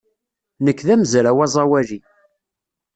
Nekk d amezraw aẓawali.